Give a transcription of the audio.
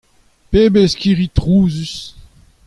Pebezh kirri trouzus !